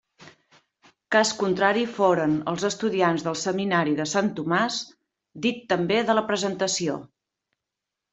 Cas contrari foren els estudiants del seminari de Sant Tomàs, dit també de la Presentació.